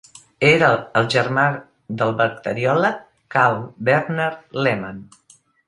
Era el germà del bacteriòleg Karl Bernhard Lehmann.